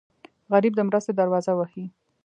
غریب د مرستې دروازه وهي